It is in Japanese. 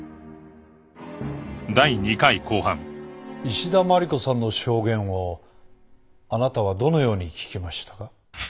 石田真理子さんの証言をあなたはどのように聞きましたか？